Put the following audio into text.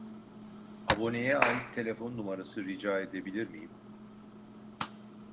Aboneye ait telefon numarası rica edebilir miyim?